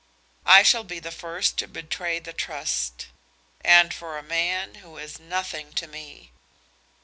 I shall be the first to betray the trust and for a man who is nothing to me."